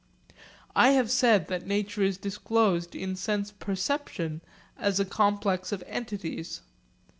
I have said that nature is disclosed in sense perception as a complex of entities.